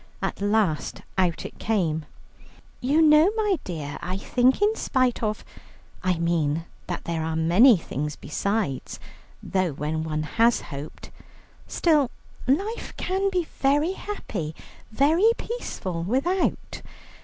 At last out it came: "You know, my dear, I think in spite of I mean that there are many things besides though when one has hoped still life can be very happy, very peaceful, without.